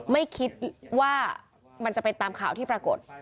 ไม่คิดว่ามันจะเป็นตามข่าวที่ปรากฏ